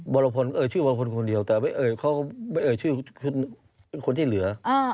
บรพลชื่อบรพลคนเดียวแต่เขาไม่เอ่ยชื่อคนที่เหลือ